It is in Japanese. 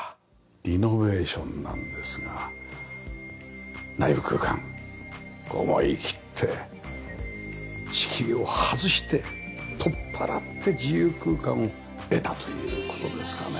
リノベーションなんですが内部空間思いきって仕切りを外して取っ払って自由空間を得たという事ですかねえ。